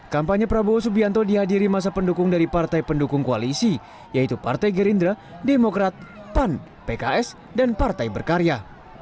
kampanye prabowo subianto dihadiri masa pendukung dari partai pendukung koalisi yaitu partai gerindra demokrat pan pks dan partai berkarya